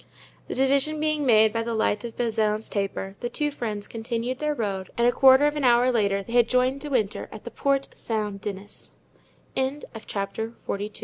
The division being made by the light of Bazin's taper, the two friends continued their road and a quarter of an hour later they had joined De Winter at the Porte Saint Denis. Chapter XLIII.